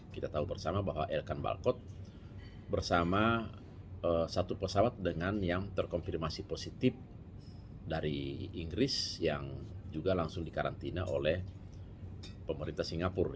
kita tahu bersama bahwa elkan balcott bersama satu pesawat dengan yang terkonfirmasi positif dari inggris yang juga langsung dikarantina oleh pemerintah singapura